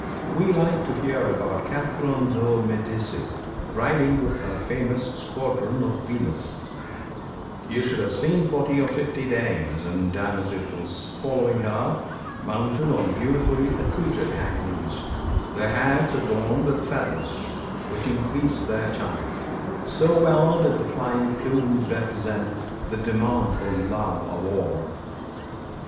We like to hear about Catherine de' Medici riding with her famous "squadron of Venus": "You should have seen forty or fifty dames and demoiselles following her, mounted on beautifully accoutred hackneys, their hats adorned with feathers which increased their charm, so well did the flying plumes represent the demand for love or war.